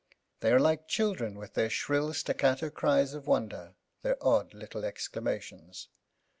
They are like children with their shrill staccato cries of wonder, their odd little exclamations.